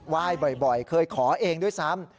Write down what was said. ไหว้บ่อยเคยขอเองด้วยซ้ำ